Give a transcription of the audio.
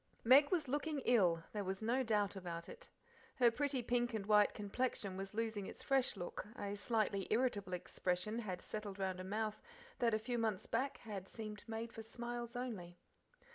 Meg was looking ill, there was no doubt about it. Her pretty pink and white complexion was losing its fresh look, a slightly irritable expression had settled round a mouth that a few months back had seemed made for smiles only.